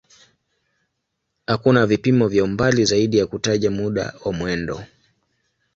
Hakuna vipimo vya umbali zaidi ya kutaja muda wa mwendo.